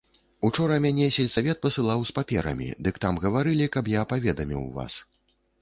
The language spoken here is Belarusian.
Учора мяне сельсавет пасылаў з паперамі, дык там гаварылі, каб я паведаміў вас.